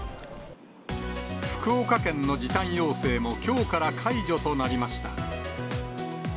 福岡県の時短要請もきょうから解除となりました。